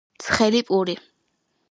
ცხელი პური